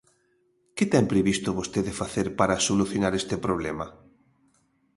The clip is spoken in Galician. ¿Que ten previsto vostede facer para solucionar este problema?